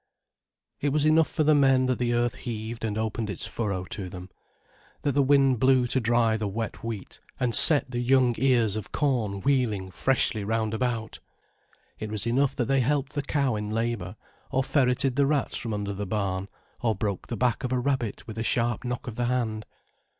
It was enough for the men, that the earth heaved and opened its furrow to them, that the wind blew to dry the wet wheat, and set the young ears of corn wheeling freshly round about; it was enough that they helped the cow in labour, or ferreted the rats from under the barn, or broke the back of a rabbit with a sharp knock of the hand.